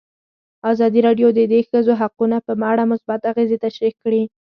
ازادي راډیو د د ښځو حقونه په اړه مثبت اغېزې تشریح کړي.